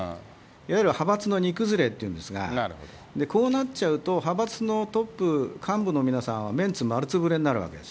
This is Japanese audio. いわゆる派閥の荷崩れって言うんですが、こうなっちゃうと、派閥のトップ、幹部の皆さんはメンツ丸潰れになるわけです。